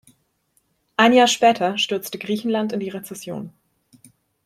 Ein Jahr später stürzte Griechenland in die Rezession.